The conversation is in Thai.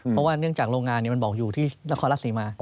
เพราะว่าเนื่องจากโรงงานมันบอกอยู่ที่นครรัฐศรีมา